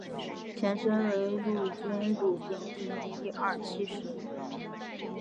前身为陆军步兵第一二七师